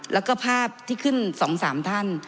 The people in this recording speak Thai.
แล้วก็ภาพที่ขึ้นสองสามท่าน